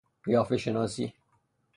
قیافه شناسی